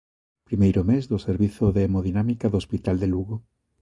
Primeiro mes do servizo de Hemodinámica do Hospital de Lugo.